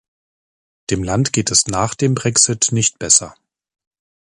Dem Land geht es nach dem Brexit nicht besser.